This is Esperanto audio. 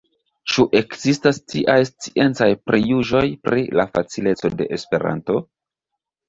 Ĉu ekzistas tiaj sciencaj prijuĝoj pri la facileco de Esperanto?